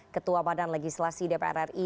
ketua badan legislasi dpr ri